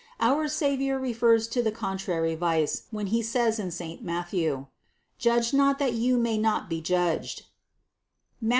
Our Savior refers to the contrary vice, when he says in saint Matthew: "Judge not that you may not be judged" (Matt.